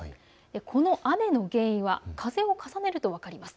この雨の原因は風を重ねると分かります。